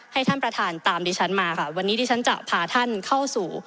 ให้ท่านประธานตามดิฉันมาค่ะวันนี้ดิฉันจะพาท่านเข้าสู่